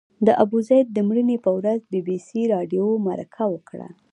د ابوزید د مړینې پر ورځ بي بي سي راډیو مرکه وکړه.